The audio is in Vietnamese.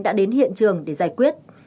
đã đến hiện trường để giải quyết